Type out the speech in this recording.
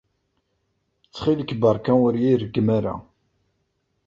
Ttxil-k, beṛka ur iyi-reggem ara.